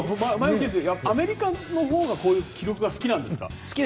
アメリカのほうがこういう記録が好きなんですか？